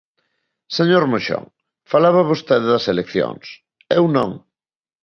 Señor Moxón, falaba vostede das eleccións, eu non.